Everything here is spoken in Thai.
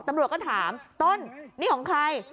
ตำรวจก็ถามต้นนี่ของใคร